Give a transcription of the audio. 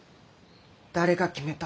誰が決めた？